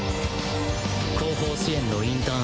後方支援のインターン